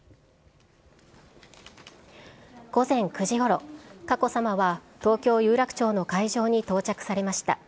午前９時ごろ、佳子さまは、東京・有楽町の会場に到着されました。